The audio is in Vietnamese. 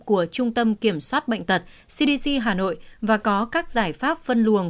của trung tâm kiểm soát bệnh tật cdc hà nội và có các giải pháp phân luồng